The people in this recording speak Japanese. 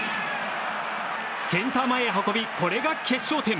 センター前へ運びこれが決勝点。